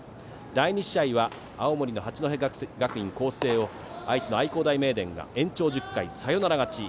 第２試合は青森の八戸学院光星を愛知の愛工大名電が延長１０回サヨナラ勝ち。